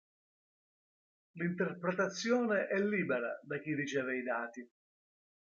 L'interpretazione è libera da chi riceve i dati.